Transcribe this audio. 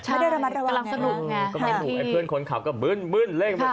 ไม่ได้ระมัดระวังกำลังสนุกไอ้เพื่อนคนขับก็บึ้นเล่น